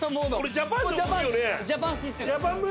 ジャパンシステム。